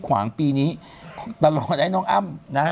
ขวางปีนี้ตลอดไอ้น้องอ้ำนะฮะ